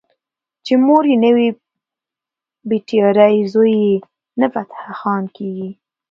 چې مور یې نه وي بټيارۍ زوی يې نه فتح خان کيږي